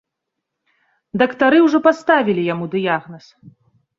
Дактары ўжо паставілі яму дыягназ.